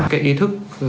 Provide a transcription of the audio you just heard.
cái ý thức